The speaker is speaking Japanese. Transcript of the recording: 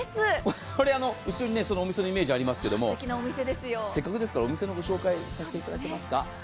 後ろにお店のイメージがありますがせっかくですからお店のご紹介させていただけますか。